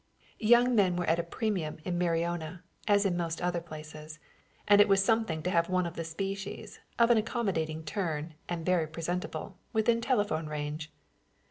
Young men were at a premium in Mariona, as in most other places, and it was something to have one of the species, of an accommodating turn, and very presentable, within telephone range.